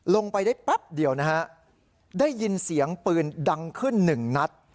ลงไปได้แป๊บเดียวนะฮะได้ยินเสียงปืนดังขึ้นหนึ่งนัด